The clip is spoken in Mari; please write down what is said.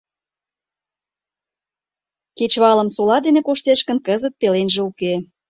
Кечывалым сола дене коштеш гын, кызыт пеленже уке.